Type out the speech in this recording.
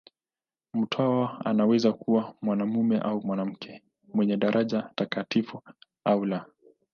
Mtawa anaweza kuwa mwanamume au mwanamke, mwenye daraja takatifu au la.